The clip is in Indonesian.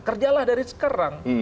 kerjalah dari sekarang